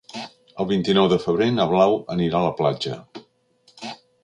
El vint-i-nou de febrer na Blau anirà a la platja.